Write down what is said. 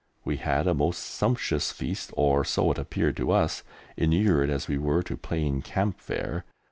We had a most sumptuous feast, or so it appeared to us, inured as we were to plain Camp fare.